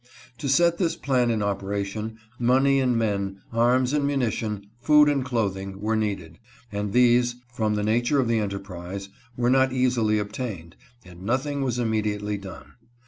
To set this plan in operation, money and men, arms and ammunition, food and clothing, were needed ; and these, from the nature of the enterprise, were not easily obtained, and nothing was immediately done.